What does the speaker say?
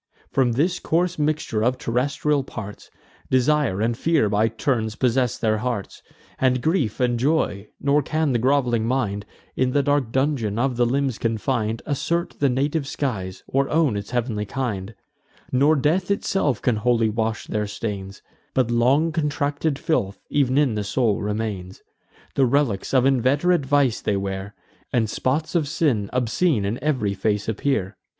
From this coarse mixture of terrestrial parts, Desire and fear by turns possess their hearts, And grief, and joy; nor can the groveling mind, In the dark dungeon of the limbs confin'd, Assert the native skies, or own its heav'nly kind: Nor death itself can wholly wash their stains; But long contracted filth ev'n in the soul remains. The relics of inveterate vice they wear, And spots of sin obscene in ev'ry face appear.